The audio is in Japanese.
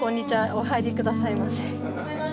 お入り下さいませ。